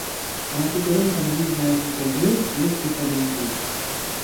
Գրաֆիկորեն կարելի է նաև ինտեգրել և դիֆերենցել։